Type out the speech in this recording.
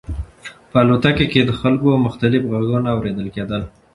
په الوتکه کې د خلکو مختلف غږونه اورېدل کېدل.